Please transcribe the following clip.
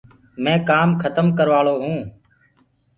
مينٚ ڪآم کتم ڪرواݪو هونٚ۔